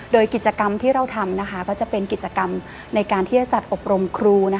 โดยกิจกรรมที่เราทำก็จะเป็นกิจกรรมในการที่จะจัดอบรมครู